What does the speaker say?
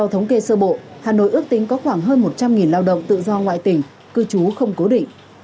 hà nội ước tính có khoảng hơn một trăm linh lao động tự do ngoại tỉnh cư trú không cố định